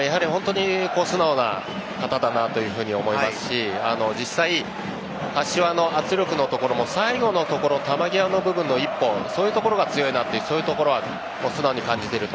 素直な方だなと思いますし実際、柏の圧力も最後のところ球際の部分の一歩そういうところが強いというのは素直に感じていると。